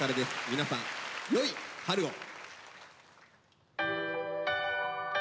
皆さんよい春を！